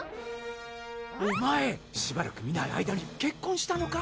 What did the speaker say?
お前しばらく見ない間に結婚したのか？